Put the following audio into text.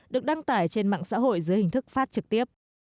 được đăng tải trên mạng xã hội dưới hình thức phát trực tiếp